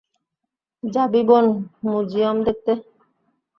যাবি বোন, ম্যুজিয়ম দেখতে?